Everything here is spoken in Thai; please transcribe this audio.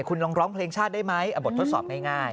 คุณลองร้องเพลงชาติได้ไหมบททดสอบง่าย